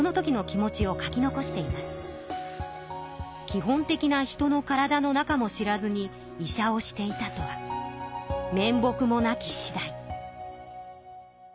「基本的な人の体の中も知らずに医者をしていたとは面目もなきしだい」。